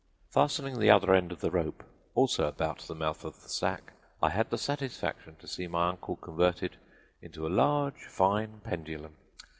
Fastening the other end of the rope also about the mouth of the sack, I had the satisfaction to see my uncle converted into a large, fine pendulum.